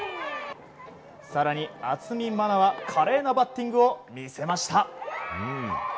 更に渥美万奈は華麗なバッティングを見せました。